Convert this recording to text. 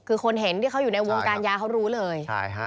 คือคนเห็นที่เขาอยู่ในวงการยาเขารู้เลยใช่ฮะ